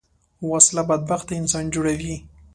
وسله بدبخته انسان جوړوي